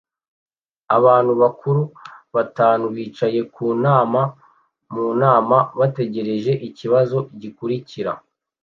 Abantu bakuru batanu bicaye ku nama mu nama bategereje ikibazo gikurikira